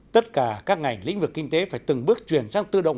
tất cả các ngành lĩnh vực kinh tế phải từng bước chuyển sang tư động